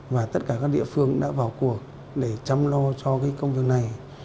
và tất cả các địa phương đã vào cuộc để chăm lo cho công việc này